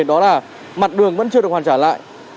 đó là mặt đường vẫn chưa được hoàn trả lại